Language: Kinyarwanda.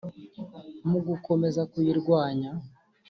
mu gukomeza kuyirwanya